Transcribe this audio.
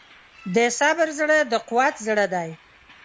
د صبر زړه د قوت زړه دی.